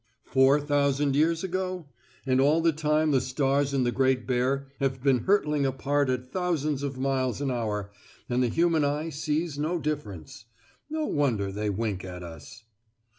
Four thousand years ago? And all the time the stars in the Great Bear have been hurtling apart at thousands of miles an hour, and the human eye sees no difference. No wonder they wink at us....